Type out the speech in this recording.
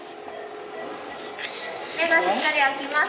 目がしっかり開きます？